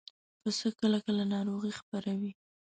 پسه کله کله ناروغي خپروي.